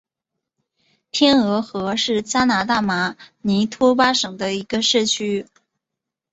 天鹅河是加拿大马尼托巴省的一个社区。